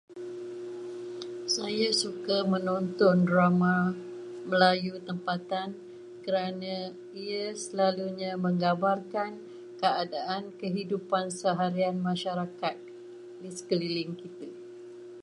Saya suka menonton drama Melayu tempatan kerana ia selalunya menggambarkan keadaan kehidupan masyarakat di sekeliling kita.